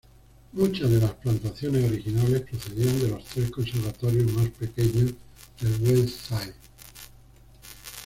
Muchas de las plantaciones originales procedían de los tres conservatorios más pequeños del Westside.